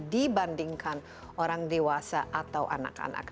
dibandingkan orang dewasa atau anak anak